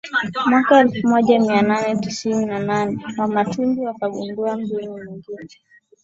Mwaka elfu moja mia nane tisini na nane Wamatumbi wakagundua mbinu nyingine